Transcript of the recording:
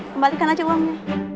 kembalikan aja uangnya